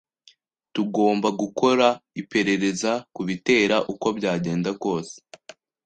Tugomba gukora iperereza kubitera uko byagenda kose.